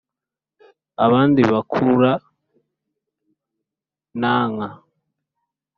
abandi bakura inanka